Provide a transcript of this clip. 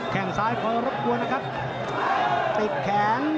แค่งซ้ายคอยรบกวนนะครับติดแขน